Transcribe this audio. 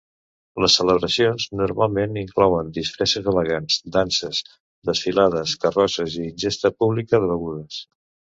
Les celebracions normalment inclouen disfresses elegants, danses, desfilades, carrosses i ingesta pública de begudes.